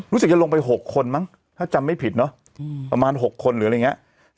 รู้สึกจะลงไป๖คนมั้งถ้าจำไม่ผิดเนอะประมาณ๖คนหรืออะไรอย่างนี้